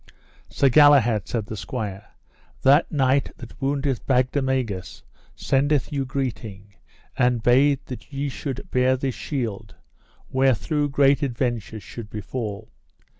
Sir Galahad, said the squire, that knight that wounded Bagdemagus sendeth you greeting, and bade that ye should bear this shield, wherethrough great adventures should befall.